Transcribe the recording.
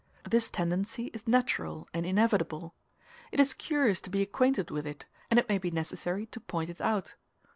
This tendency is natural and inevitable: it is curious to be acquainted with it, and it may be necessary to point it out.